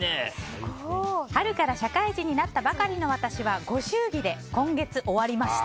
春から社会人になったばかりの私はご祝儀で今月終わりました。